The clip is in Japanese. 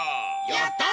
やった！